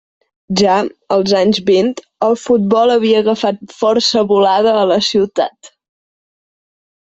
Ja, als anys vint, el futbol havia agafat força volada a la ciutat.